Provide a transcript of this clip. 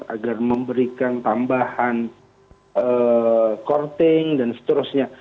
agar memberikan tambahan courting dan seterusnya